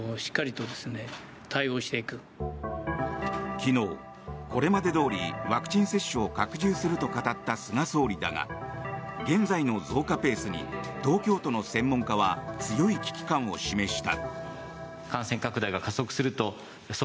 昨日、これまでどおりワクチン接種を拡充すると語った菅総理だが現在の増加ペースに東京都の専門家は強い危機感を示した。